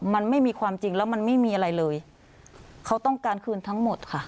มันไม่มีความจริงแล้วมันไม่มีอะไรเลยเขาต้องการคืนทั้งหมดค่ะ